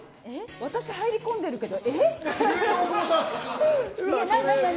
私、入り込んでるけどね。